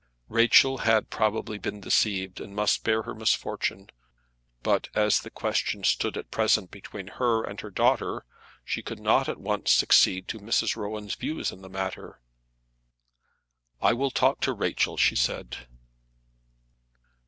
Rachel had probably been deceived, and must bear her misfortune. But, as the question stood at present between her and her daughter, she could not at once accede to Mrs. Rowan's views in the matter. "I will talk to Rachel," she said.